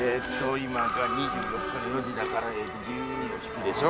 今が２４日の４時だからえっと１２を引くでしょ。